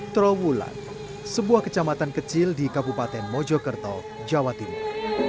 trawulan sebuah kecamatan kecil di kabupaten mojokerto jawa timur